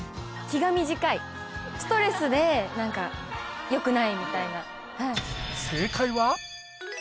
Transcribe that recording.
ストレスで何かよくないみたいな。